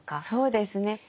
そうですね。